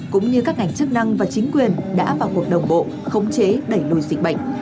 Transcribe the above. cũng như các ngành chức năng và chính quyền đã vào cuộc đồng bộ khống chế đẩy lùi dịch bệnh